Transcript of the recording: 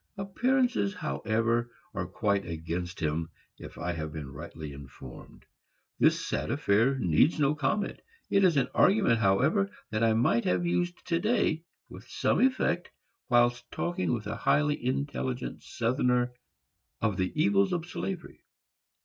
Appearances, however, are quite against him, if I have been rightly informed. This sad affair needs no comment. It is an argument, however, that I might have used to day, with some effect, whilst talking with a highly intelligent Southerner of the evils of slavery.